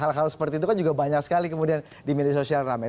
hal hal seperti itu kan juga banyak sekali kemudian di media sosial rame